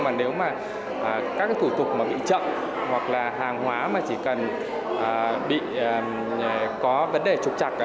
mà nếu các thủ tục bị chậm hoặc hàng hóa chỉ cần có vấn đề trục chặt